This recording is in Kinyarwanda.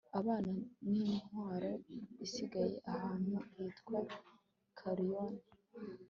abana n'imitwaro isigaye, ahantu hitwa i kariniyoni